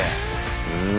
うん。